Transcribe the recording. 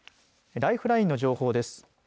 ライフラインの情報です。